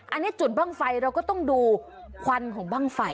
อันนี้จุดบ้างไฟเราก็ต้องดูควันของบ้างไฟ